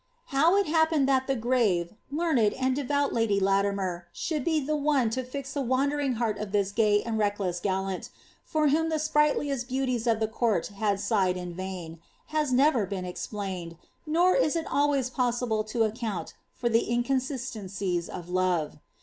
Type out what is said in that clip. How happened tliat the grave, learned, and devout lady Latimer should I the one to fix the wandering heart of this gay and reckless gallant, I whom the sprightliest beauties of the court had sighed in vain, h never been explained, nor is it always possible to account for the into sisteiicies of love.